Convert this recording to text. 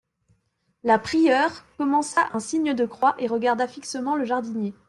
La prieure commença un signe de croix, et regarda fixement le jardinier.